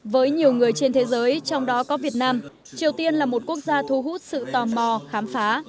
với nhiều người trên thế giới trong đó có việt nam triều tiên là một quốc gia thu hút sự tò mò khám phá